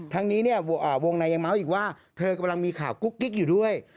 ทั้งนี้เนี่ยวงในยังเมาส์อีกว่าเธอกำลังมีข่าวกุ๊กกิ๊กอยู่ด้วย